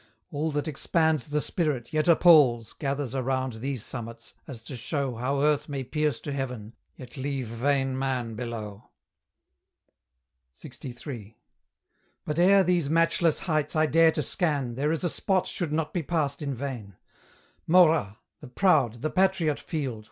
All that expands the spirit, yet appals, Gathers around these summits, as to show How Earth may pierce to Heaven, yet leave vain man below. LXIII. But ere these matchless heights I dare to scan, There is a spot should not be passed in vain, Morat! the proud, the patriot field!